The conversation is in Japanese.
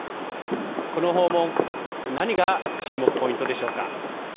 この訪問何が注目ポイントでしょうか。